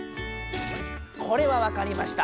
これはわかりました。